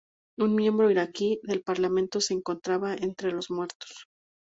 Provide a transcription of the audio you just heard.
Un miembro iraquí del parlamento se encontraba entre los muertos.